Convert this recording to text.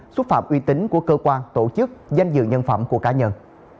xúc phạm uy tín của cơ quan tổ chức danh dự nhân phẩm của cá nhân